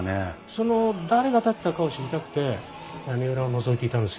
その誰が建てたかを知りたくて屋根裏をのぞいていたんですよ。